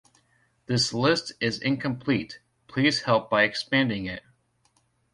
This list is incomplete; please help by expanding it.